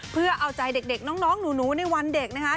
เพื่อเอาใจเด็กน้องหนูในวันเด็กนะคะ